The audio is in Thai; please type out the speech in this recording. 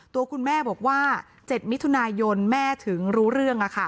ตัวคุณแม่บอกว่า๗มิถุนายนแม่ถึงรู้เรื่อง